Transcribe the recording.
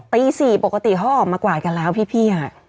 ตี๔ปกติเขาออกมากวาดกันแล้วพี่